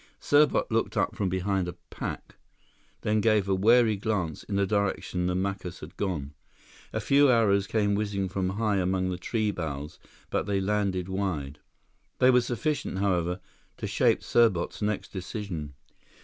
Serbot looked up from behind a pack, then gave a wary glance in the direction the Macus had gone. A few arrows came whizzing from high among the tree boughs, but they landed wide. They were sufficient, however, to shape Serbot's next decision.